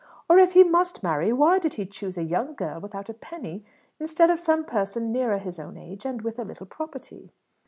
Or, if he must marry, why did he choose a young girl without a penny instead of some person nearer his own age and with a little property?"